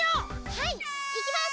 はいいきます！